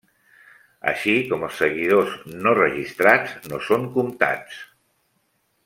Així com els seguidors no registrats no són comptats.